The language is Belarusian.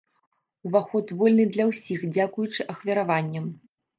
Уваход вольны для ўсіх дзякуючы ахвяраванням.